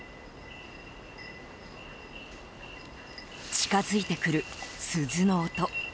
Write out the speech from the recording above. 近づいてくる鈴の音。